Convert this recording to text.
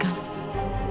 kejahatan mak lampir